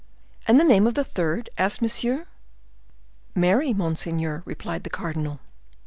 "And the name of the third?" asked Monsieur. "Mary, monseigneur," replied the cardinal.